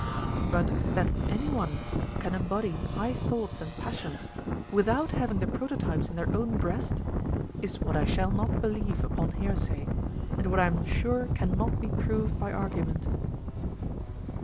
But that any one can embody high thoughts and passions without having the prototypes in their own breast, is what I shall not believe upon hearsay, and what I am sure cannot be proved by argument.